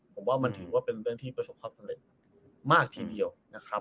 ผมว่ามันถือว่าเป็นเรื่องที่ประสบความสำเร็จมากทีเดียวนะครับ